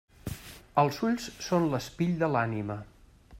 Els ulls són l'espill de l'ànima.